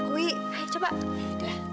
saya sudah bilang sama kamu